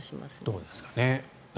どうなんですかね。